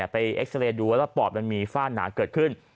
เอ็กซาเรย์ดูว่าแล้วปอดมันมีฝ้าหนาเกิดขึ้น